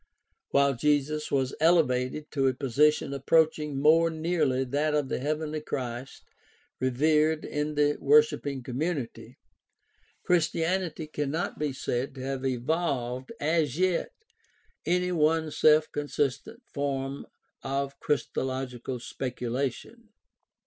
While Jesus was elevated to a position approaching more nearly that of the heavenly Christ revered in the worshiping community, Christianity cannot be said to have evolved as yet any one self consistent form of christological speculation.